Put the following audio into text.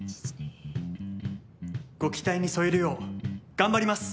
ご期待に添えるよう頑張ります。